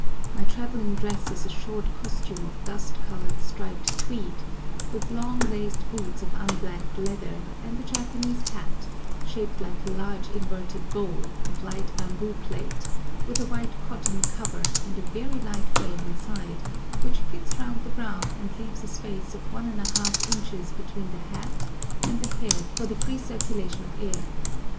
My travelling dress is a short costume of dust coloured striped tweed, with strong laced boots of unblacked leather, and a Japanese hat, shaped like a large inverted bowl, of light bamboo plait, with a white cotton cover, and a very light frame inside, which fits round the brow and leaves a space of 1½ inches between the hat and the head for the free circulation of air.